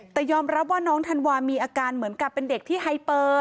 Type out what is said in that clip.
แต่ยอมรับว่าน้องธันวามีอาการเหมือนกับเป็นเด็กที่ไฮเปอร์